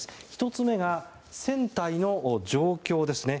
１つ目が船体の状況ですね。